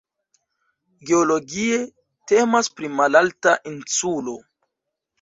Geologie temas pri malalta insulo.